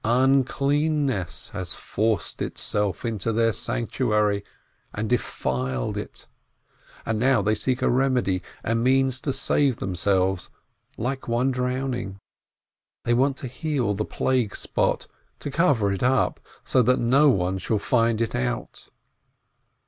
Unclean ness has forced itself into their sanctuary and defiled it; and now they seek a remedy, and means to save themselves, like one drowning; they want to heal the plague spot, to cover it up, so that no one shall find it out.